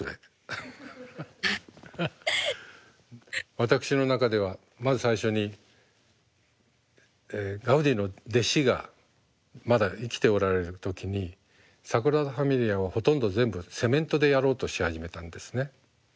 私の中ではまず最初にガウディの弟子がまだ生きておられる時にサグラダ・ファミリアをほとんど全部セメントでやろうとし始めたんですね。